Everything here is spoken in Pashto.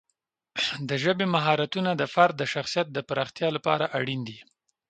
د ژبې مهارتونه د فرد د شخصیت پراختیا لپاره اړین دي.